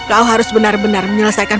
kau harus benar benar menyelesaikan